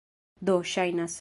Do, ŝajnas...